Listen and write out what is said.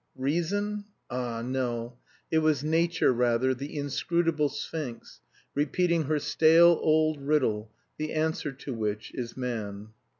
Reason? Ah, no! It was Nature rather, the inscrutable Sphinx, repeating her stale old riddle, the answer to which is Man.